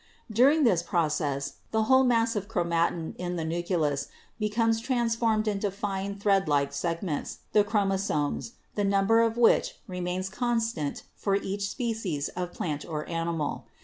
During this process the whole mass of chromatin in the nucleus becomes transformed into fine thread like segments, the chromosomes, the number of which remains constant for each species of plant or animal.